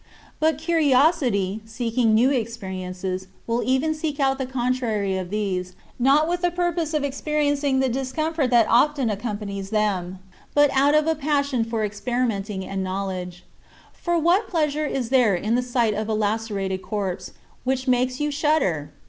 But curiosity, seeking new experiences, will even seek out the contrary of these, not with the purpose of experiencing the discomfort that often accompanies them, but out of a passion for experimenting and knowledge. For what pleasure is there in the sight of a lacerated corpse, which makes you shudder?